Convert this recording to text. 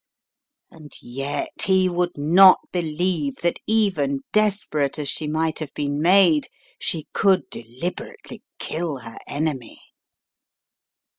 And yet he would not believe that even desperate as she might have been made, she could deliberately kill her enemy.